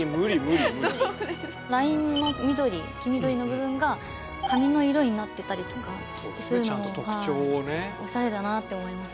ラインの緑黄緑の部分が髪の色になってたりとかってするのもおしゃれだなって思いました。